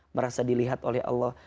merasa dilihat oleh allah